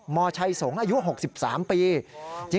มชัยสงฆ์อายุ๖๓ปี